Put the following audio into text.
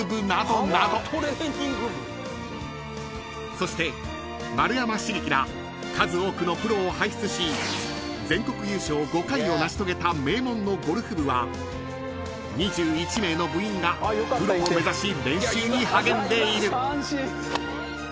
［そして丸山茂樹ら数多くのプロを輩出し全国優勝５回を成し遂げた名門のゴルフ部は２１名の部員がプロを目指し練習に励んでいる］